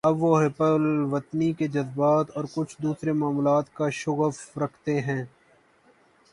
اب وہ حب الوطنی کے جذبات اور کچھ دوسرے معاملات کا شغف رکھتے ہیں۔